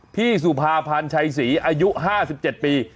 พี่สุภาพันธ์ชัยศรีอายุ๕๗ปี